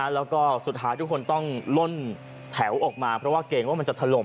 แล้วก็สุดท้ายทุกคนต้องล่นแถวออกมาเพราะว่าเกรงว่ามันจะถล่ม